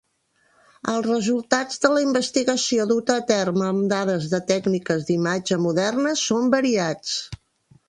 Els resultats de la investigació duta a terme amb dades de tècniques d'imatge modernes són variats.